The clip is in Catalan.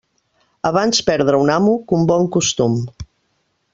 Abans perdre un amo que un bon costum.